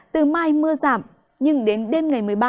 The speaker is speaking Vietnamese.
từ mai mưa giảm nhưng đến đêm ngày một mươi ba